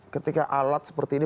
ketika alat seperti ini